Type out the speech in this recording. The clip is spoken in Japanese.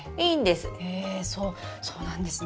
えそうそうなんですね。